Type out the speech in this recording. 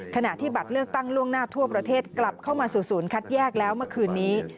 ขณะที่บัตรเลือกตั้งล่วงหน้าทั่วประเทศกลับเข้ามาสู่ศูนย์คัดแยกแล้วเมื่อคืนนี้